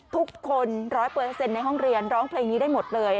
ทุกคน๑๐๐ในห้องเรียนร้องเพลงนี้ได้หมดเลย